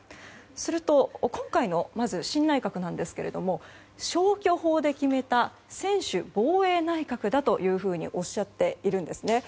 すると、今回の新内閣ですが消去法で決めた専守防衛内閣だというふうにおっしゃっているんですね。